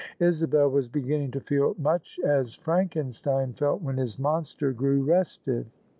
Isabel was beginning to feel much as Frankenstein felt when his monster gr^w restive.